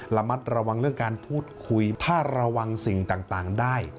ระมัดระวังเรื่องการพูดคุยถ้าระวังสิ่งต่างได้